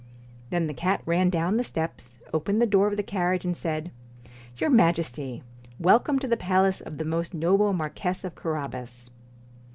Then the cat ran down the steps, opened the door of the carriage, and said :* Your Majesty welcome to the palace of the most noble Marquess of Carabas.'